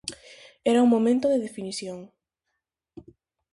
Era un momento de definición.